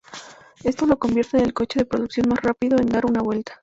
Esto lo convierte en el coche de producción más rápido en dar una vuelta.